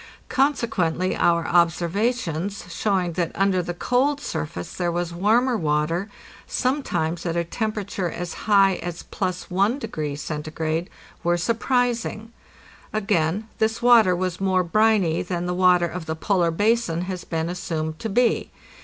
Consequently our observations showing that under the cold surface there was warmer water, sometimes at a tem perature as high as +1° C., were surprising. Again, this water was more briny than the water of the polar basin has been assumed to be.